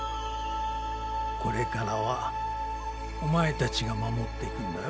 これからはお前たちが守っていくんだよ。